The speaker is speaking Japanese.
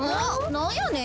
なんやねん？